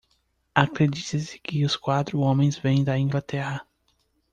Acredita-se que os quatro homens vêm da Inglaterra.